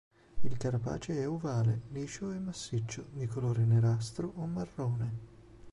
Il carapace è ovale, liscio e massiccio di colore nerastro o marrone.